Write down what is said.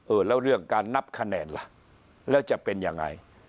แล้วเรื่องการนับคะแนนล่ะแล้วจะเป็นยังไง